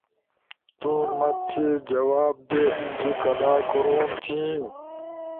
تو ما تھی جواب دے تو کدا کوروم تھین